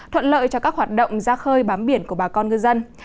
thuận lợi cho các hoạt động ra khơi bám biển của bà con ngư dân